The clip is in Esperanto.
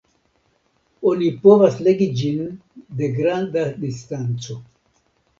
Oni povas legi ĝin de granda distanco.